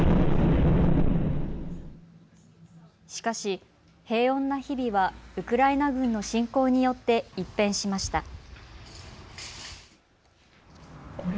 しかし平穏な日々は、ロシア軍の侵攻によって一変しました。